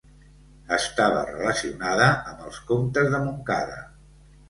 Estava relacionada amb els comtes de Montcada.